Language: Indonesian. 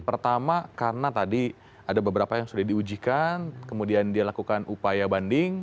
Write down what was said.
pertama karena tadi ada beberapa yang sudah diujikan kemudian dia lakukan upaya banding